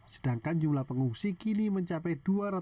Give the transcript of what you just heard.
sedangkan jumlah pengungsi kini mencapai dua ratus